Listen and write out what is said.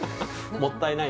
もったいない。